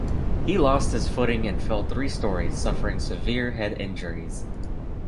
He lost his footing and fell three stories, suffering severe head injuries.